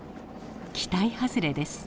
期待外れです。